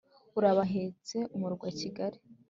Urabahetse umurwa Kigali,